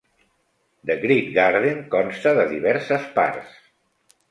The Great Garden consta de diverses parts.